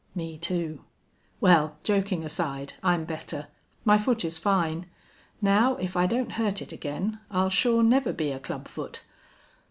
"Me, too. Well, joking aside, I'm better. My foot is fine. Now, if I don't hurt it again I'll sure never be a club foot."